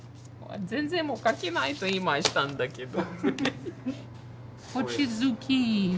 全然書けないと言いましたんだけど。